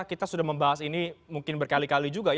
kita sudah membahas ini mungkin berkali kali juga